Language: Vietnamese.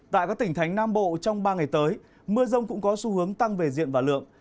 tại các tỉnh thánh nam bộ trong ba ngày tới mưa rông cũng có xu hướng tăng về diện và lượng